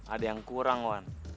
ada yang kurang wan